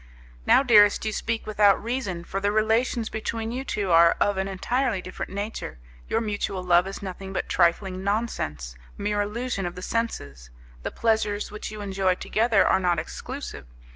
"Now, dearest, you speak without reason, for the relations between you two are of an entirely different nature. Your mutual love is nothing but trifling nonsense, mere illusion of the senses. The pleasures which you enjoy together are not exclusive.